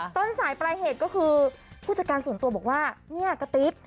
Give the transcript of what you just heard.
ต้นสายปลายเหตุก็คือผู้จัดการส่วนตัวบอกว่าเนี่ยกระติ๊บ